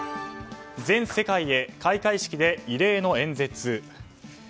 全世界へ開会式で異例の演説。